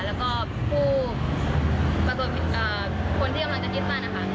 แล้วก็ผู้รบบุตรกำลังทำใจกิจบ้านนะคะ